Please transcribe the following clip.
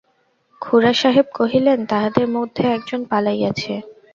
খুড়াসাহেব কহিলেন, তাহাদের মধ্যে একজন পালাইয়াছে।